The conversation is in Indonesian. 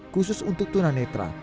khusus untuk tunanetra